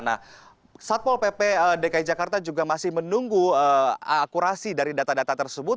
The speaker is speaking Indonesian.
nah satpol pp dki jakarta juga masih menunggu akurasi dari data data tersebut